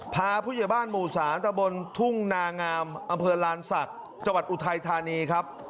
พาผู้ใหญ่บ้านหมู่๓ตะบนทุ่งนางามอำเภอลานศักดิ์จังหวัดอุทัยธานีครับ